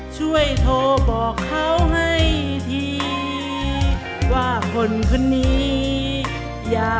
ช่วยโทรบอกเขาให้ทีว่าฉันก็ยังเสียใจ